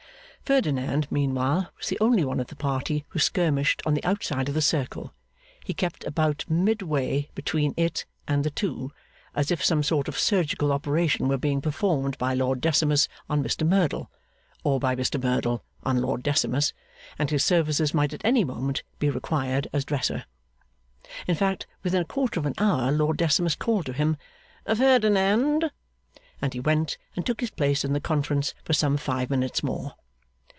Ferdinand, meanwhile, was the only one of the party who skirmished on the outside of the circle; he kept about mid way between it and the two, as if some sort of surgical operation were being performed by Lord Decimus on Mr Merdle, or by Mr Merdle on Lord Decimus, and his services might at any moment be required as Dresser. In fact, within a quarter of an hour Lord Decimus called to him 'Ferdinand!' and he went, and took his place in the conference for some five minutes more.